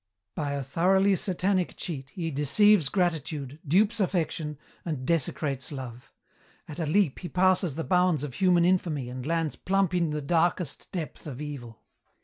By a thoroughly Satanic cheat he deceives gratitude, dupes affection, and desecrates love. At a leap he passes the bounds of human infamy and lands plump in the darkest depth of Evil.